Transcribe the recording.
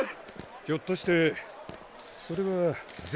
ひょっとしてそれは銭